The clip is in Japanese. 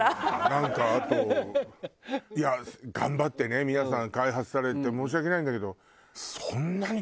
なんかあといや頑張ってね皆さん開発されて申し訳ないんだけど。